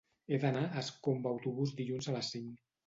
He d'anar a Ascó amb autobús dilluns a les cinc.